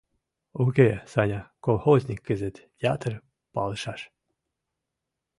Уке, Саня, колхозник кызыт ятыр палышаш.